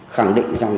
khẳng định rằng